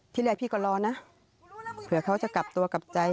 ที่แรกพี่ก็รอนะเผื่อเขาจะกลับตัวกลับใจ